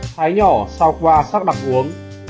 thái nhỏ sau qua sắc đặc uống